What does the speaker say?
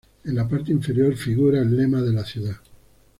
En la parte inferior figura el lema de la ciudad.